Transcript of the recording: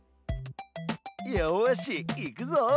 よしいくぞ！